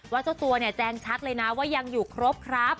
ว่าเจ้าตัวแจ้งชัดเลยนะว่ายังอยู่ครบครับ